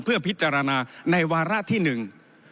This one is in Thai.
เพื่อพิจารณาในวาระที่หนึ่ง